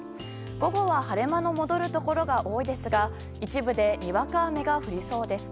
午後は晴れ間の戻るところが多いですが一部でにわか雨が降りそうです。